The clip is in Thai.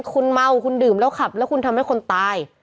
คุณเมาคุณดื่มแล้วขับแล้วคุณทำให้คนตาย